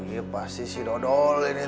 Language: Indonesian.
iya pasti si dodol